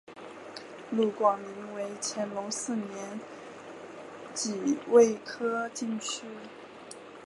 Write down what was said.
陆广霖为乾隆四年己未科进士。